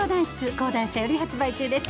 講談社より発売中です。